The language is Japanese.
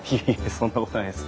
そんなことないです。